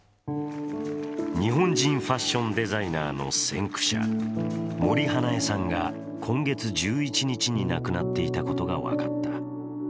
日本人ファッションデザイナーの先駆者、森英恵さんが今月１１日に亡くなっていたことが分かった。